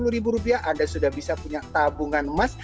sepuluh ribu rupiah anda sudah bisa punya tabungan emas